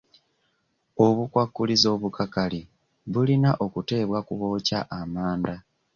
Obukwakkulizo obukakali bulina okuteebwa ku bookya amanda.